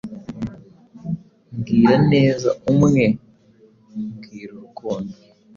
Mbwira Neza Umwe, mbwira Urukundo